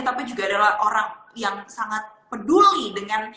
tapi juga adalah orang yang sangat peduli dengan